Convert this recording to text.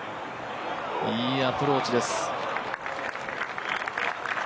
いいアプローチです。